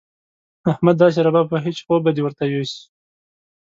احمد داسې رباب وهي چې خوب به دې ورته يوسي.